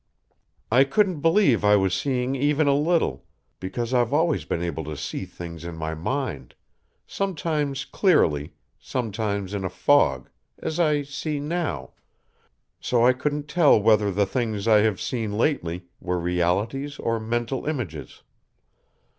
I couldn't believe I was seeing even a little, because I've always been able to see things in my mind, sometimes clearly, sometimes in a fog as I see now so I couldn't tell whether the things I have seen lately were realities or mental images.